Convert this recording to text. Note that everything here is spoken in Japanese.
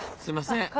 すいません。